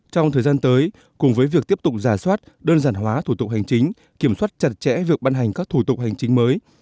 trong thời gian tới cùng với việc tiếp tục giả soát đơn giản hóa thủ tục hành chính kiểm soát chặt chẽ việc ban hành các thủ tục hành chính mới